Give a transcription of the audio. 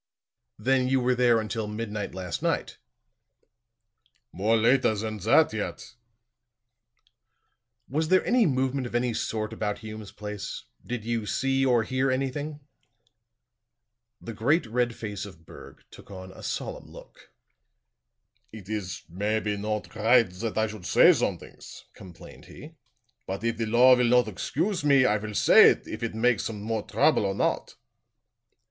"Then you were there until midnight last night?" "More later than that yet." "Was there any movement of any sort about Hume's place? Did you see or hear anything?" The great red face of Berg took on a solemn look. "It is maybe not ride that I should say somedings," complained he. "But if the law will not excuse me, I will say it, if it makes some more trouble or not."